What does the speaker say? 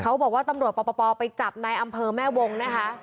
เขาบอกว่าตำรวจปปไปจับในอำเภอแม่วงนะคะ